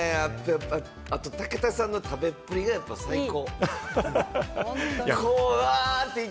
あと武田さんの食べっぷりが最高！